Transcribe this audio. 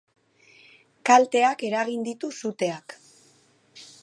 Kalteak eragin ditu suteak.